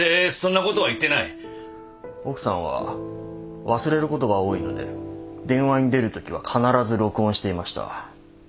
奥さんは忘れることが多いので電話に出るときは必ず録音していました。